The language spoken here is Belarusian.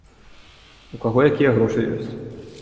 У каго якія грошы ёсць.